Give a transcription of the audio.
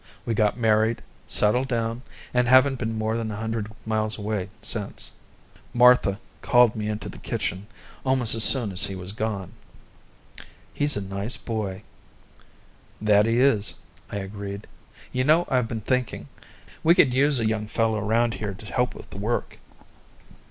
We got married, settled down, and haven't been more than a hundred miles away since then. Martha called me into the kitchen almost as soon as he was gone. "He's a nice boy." "That he is," I agreed. "You know, I've been thinking; we could use a young fella around here to help with the work."